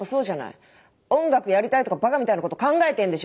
音楽やりたいとかバカみたいなこと考えてんでしょ。